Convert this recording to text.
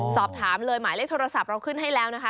สอบถามเลยหมายเลขโทรศัพท์เราขึ้นให้แล้วนะคะ